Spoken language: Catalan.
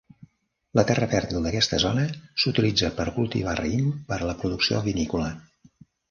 La terra fèrtil d"aquesta zona s"utilitza per cultivar raïm per a la producció vinícola.